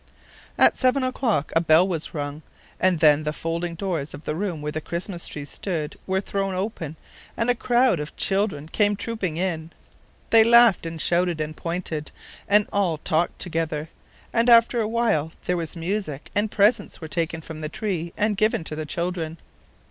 At seven o'clock a bell was rung, and then the folding doors of the room where the Christmas tree stood were thrown open, and a crowd of children came trooping in. They laughed and shouted and pointed, and all talked together, and after a while there was music, and presents were taken from the tree and given to the children.